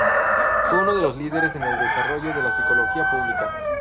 Fue uno de los líderes en el desarrollo de la psicología pública.